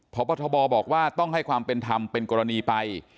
พบทบบอกว่าต้องให้ความเป็นธรรมเป็นกรณีไป